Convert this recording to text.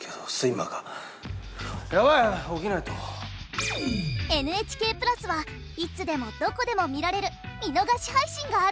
ＮＨＫプラスはいつでもどこでも見られる見逃し配信があるのです！